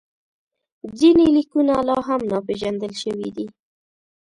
ځینې لیکونه لا هم ناپېژندل شوي دي.